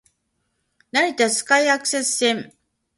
成田スカイアクセス線